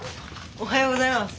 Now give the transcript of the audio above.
おはようございます。